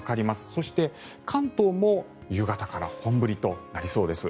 そして、関東も夕方から本降りとなりそうです。